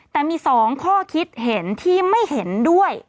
แต่มี๒ข้อคิดเห็นที่ไม่เห็นด้วย